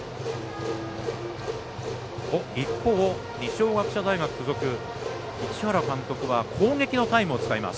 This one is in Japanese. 一方、二松学舎大学付属市原監督は攻撃のタイムを使います。